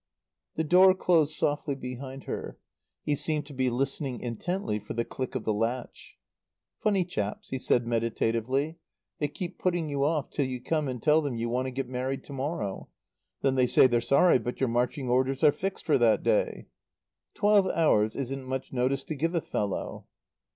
The door closed softly behind her. He seemed to be listening intently for the click of the latch. "Funny chaps," he said meditatively. "They keep putting you off till you come and tell them you want to get married to morrow. Then they say they're sorry, but your marching orders are fixed for that day. "Twelve hours isn't much notice to give a fellow."